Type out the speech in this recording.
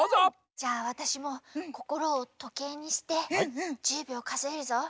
じゃあわたしもこころをとけいにして１０秒かぞえるぞ。